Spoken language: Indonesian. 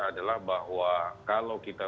adalah bahwa kalau kita